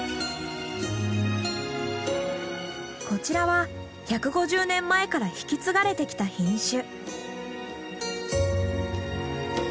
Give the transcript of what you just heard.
こちらは１５０年前から引き継がれてきた品種。